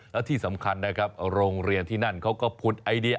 แล้วที่สำคัญนะครับโรงเรียนที่นั่นเขาก็ผุดไอเดีย